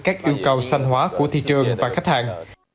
các yêu cầu xanh hóa của thị trường và khách hàng